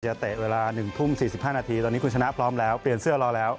เตะเวลา๑ทุ่ม๔๕นาทีตอนนี้คุณชนะพร้อมแล้วเปลี่ยนเสื้อรอแล้ว